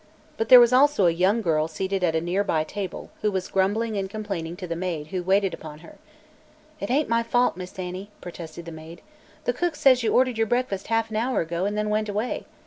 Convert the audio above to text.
But there was also a young girl seated at a near by table who was grumbling and complaining to the maid who waited upon her. "It ain't my fault, Miss Annie," protested the maid. "The cook says you ordered your breakfast half an hour ago, an' then went away.